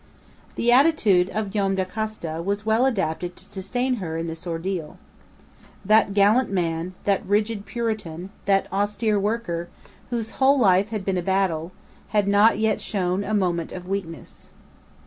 The attitude of Joam Dacosta was well adapted to sustain her in this ordeal. That gallant man, that rigid Puritan, that austere worker, whose whole life had been a battle, had not yet shown a moment of weakness.